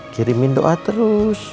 kirimin doa terus